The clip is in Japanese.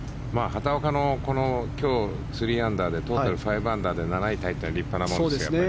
畑岡の今日３アンダーでトータル５アンダーで７位タイというのは立派なもんですね。